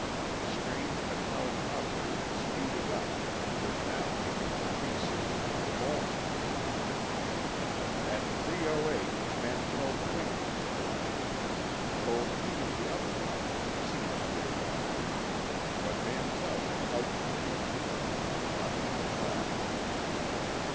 The strange metallic object had speeded up, was now making 360 or more. At 3:08, Mantell's wingman called in. Both he and the other pilot had seen the weird object. But Mantell had outclimbed them and was lost in the clouds.